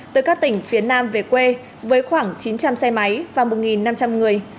từ các tỉnh phía nam về quê với khoảng chín trăm linh xe máy và một năm trăm linh người